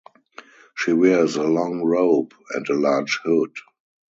She wears a long robe and a large hood.